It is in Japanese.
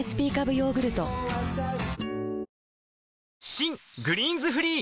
新「グリーンズフリー」